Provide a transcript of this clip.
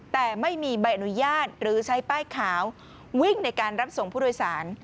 แต่ไม่มีใบอนุญาตหรือใช้ป้ายขาววิ่งในการรับส่งผู้โดยสาร